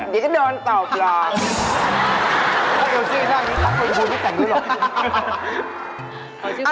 เดี๋ยวก็โดนต่ออารา